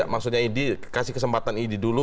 maksudnya idi kasih kesempatan idi dulu